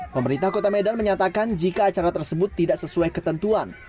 pemerintah kota medan menyatakan jika acara tersebut tidak sesuai ketentuan